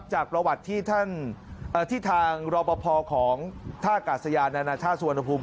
ร้อนหลังไปนะครับจากประวัติที่ทางรบพอของท่ากาศยานานาธาสุวรรณภูมิ